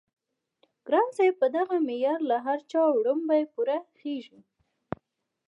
ګران صاحب په دغه معيار له هر چا وړومبی پوره خيژي